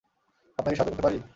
আপনাকে সাহায্য করতে পারি?